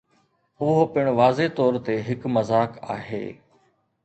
اهو پڻ واضح طور تي هڪ مذاق آهي.